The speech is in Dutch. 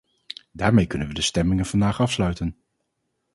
Daarmee kunnen wij de stemmingen vandaag afsluiten.